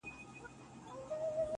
څه رنګه سپوږمۍ ده له څراغه يې رڼا وړې.